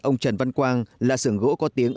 ông trần văn quang là sưởng gỗ có tiếng